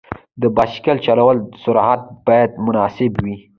د بایسکل چلولو سرعت باید مناسب وي.